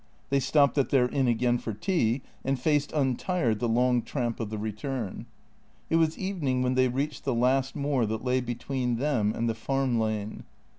They stopped at their inn again for tea, and faced untired the long tramp of the return. It was evening when they reached the last moor that lay between them and the farm lane.